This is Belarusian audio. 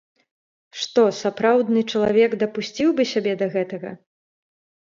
Што, сапраўдны чалавек дапусціў бы сябе да гэтага?